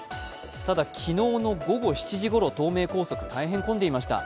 ただ、昨日の午後７時ごろ、東名高速大変混んでいました。